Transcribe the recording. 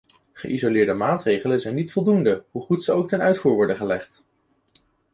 Geïsoleerde maatregelen zijn niet voldoende, hoe goed ze ook ten uitvoer worden gelegd.